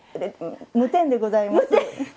無点でございます。